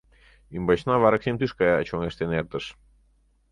Ӱмбачна вараксим тӱшка чоҥештен эртыш.